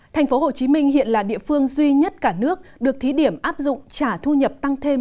thành phố hồ chí minh hiện là địa phương duy nhất cả nước được thí điểm áp dụng trả thu nhập tăng thêm